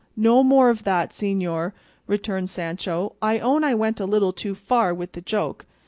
"No more of that, señor," returned Sancho; "I own I went a little too far with the joke.